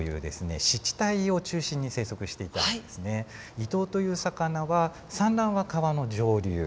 イトウという魚は産卵は川の上流。